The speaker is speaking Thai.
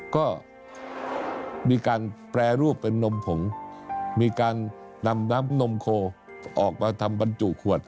ก็มีการแปรรูปเป็นนมผงมีการนำน้ำนมโคออกมาทำบรรจุขวด